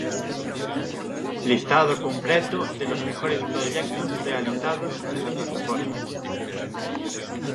Listado completo de los mejores proyectos realizados en la plataforma.